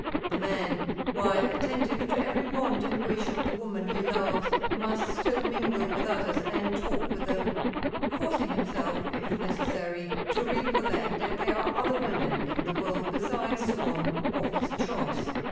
The man, while attentive to every want and wish of the woman he loves, must still mingle with others and talk with them, forcing himself, if necessary, to recollect that there are other women in the world besides the one of his choice.